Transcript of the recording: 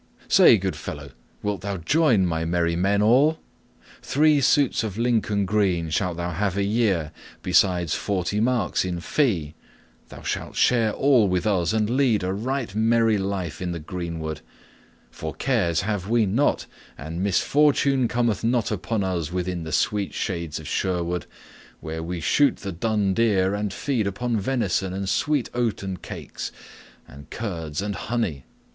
Say, good fellow, wilt thou join my merry men all? Three suits of Lincoln green shalt thou have a year, besides forty marks in fee; thou shalt share all with us and lead a right merry life in the greenwood; for cares have we not, and misfortune cometh not upon us within the sweet shades of Sherwood, where we shoot the dun deer and feed upon venison and sweet oaten cakes, and curds and honey.